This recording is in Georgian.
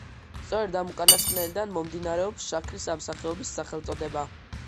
სწორედ ამ უკანასკნელიდან მომდინარეობს შაქრის ამ სახეობის სახელწოდება.